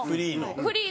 フリーの。